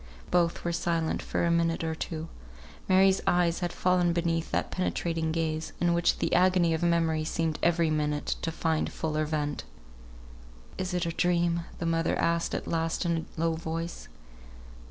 Both were silent for a minute or two. Mary's eyes had fallen beneath that penetrating gaze, in which the agony of memory seemed every moment to find fuller vent. "Is it a dream?" the mother asked at last in a low voice.